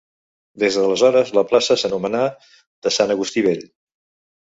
Des d'aleshores la plaça s'anomenà de Sant Agustí Vell.